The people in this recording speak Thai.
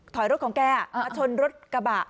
ถอยรถของแกมาชนรถกระบะ